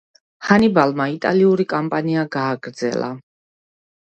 ჰანიბალმა იტალიური კამპანია გააგრძელა.